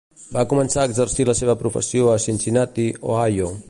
Va començar a exercir la seva professió a Cincinnati, Ohio.